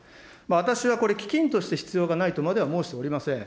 私はこれ、基金として必要がないとまでは申しておりません。